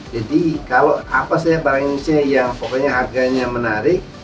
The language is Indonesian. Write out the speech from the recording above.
jadi kalau apa barang indonesia yang harganya menarik